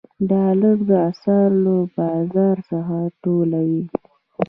ډالر د اسعارو له بازار څخه ټولوي.